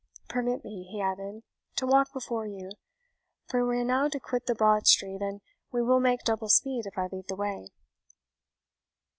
Permit me," he added, "to walk before you, for we are now to quit the broad street and we will make double speed if I lead the way."